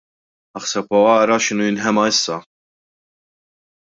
Aħseb u ara x'inhu jinħema issa.